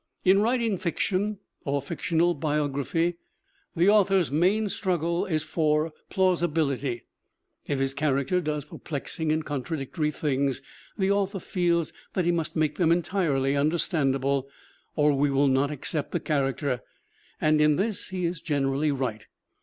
In writing fiction or fictional biography the author's main struggle is for plausibility. If his character does perplexing and contradictory things the author feels 84 THE WOMEN WHO MAKE OUR NOVELS that he must make them entirely understandable or we will not accept the character and in this he is gen erally right.